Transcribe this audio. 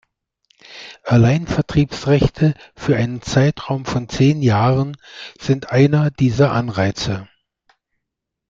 Alleinvertriebsrechte für einen Zeitraum von zehn Jahren sind einer dieser Anreize.